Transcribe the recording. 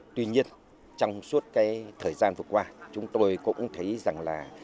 tuy nhiên trong suốt cái thời gian vừa qua chúng tôi cũng thấy rằng là